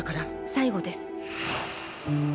最後です。